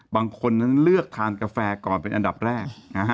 บางคนนั้นเลือกทานกาแฟก่อนเป็นอันดับแรกนะฮะ